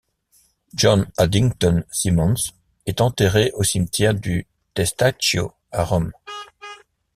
John Addington Symonds est enterré au cimetière du Testaccio à Rome.